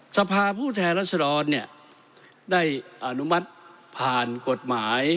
สภาพผู้แทนรัฐศรรณได้อนุมัติผ่านกฎหมาย